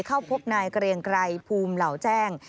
เข้าพบนายเกรียงไกรภูมิเหล่าแจ้ง